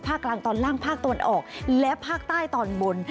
กลางตอนล่างภาคตะวันออกและภาคใต้ตอนบน